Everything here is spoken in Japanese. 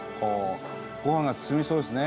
ご飯が進みそうですね。